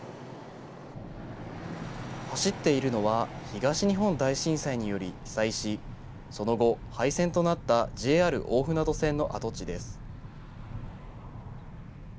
走っているのは東日本大震災により被災し、その後、廃線となったＪＲ大船渡線の跡地です。